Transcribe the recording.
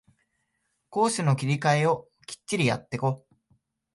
攻守の切り替えをきっちりやってこ